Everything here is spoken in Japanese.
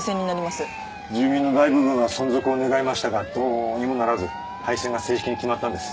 住民の大部分は存続を願いましたがどうにもならず廃線が正式に決まったんです。